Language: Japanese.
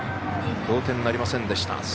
同点なりませんでした。